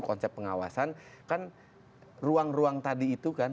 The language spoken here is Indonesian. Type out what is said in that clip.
konsep pengawasan kan ruang ruang tadi itu kan